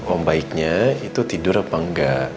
oh baiknya itu tidur apa enggak